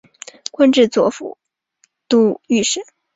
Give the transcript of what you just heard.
官至左副都御史。